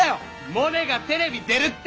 モネがテレビ出るって！